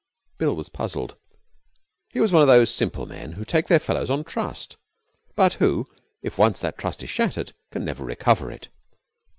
Bill was puzzled. He was one of those simple men who take their fellows on trust, but who, if once that trust is shattered, can never recover it.